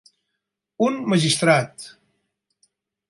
Un magistrat